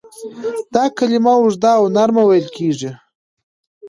دا کلمه اوږده او نرمه ویل کیږي.